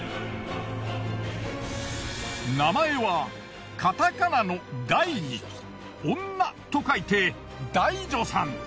名前はカタカナのダイに女と書いてダイ女さん。